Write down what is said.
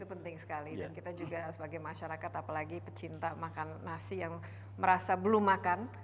ini penting sekali dan kita juga sebagai masyarakat apalagi pecinta makan nasi yang merasa belum makan